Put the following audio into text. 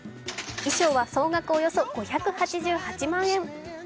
衣裳は総額およそ５８８万円。